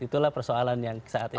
itulah persoalan yang saat ini